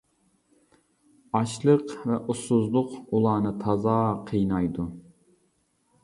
ئاچلىق ۋە ئۇسسۇزلۇق ئۇلارنى تازا قىينايدۇ.